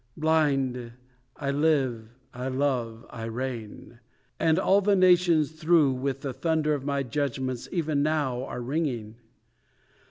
Blind! I live, I love, I reign; and all the nations through With the thunder of my judgments even now are ringing.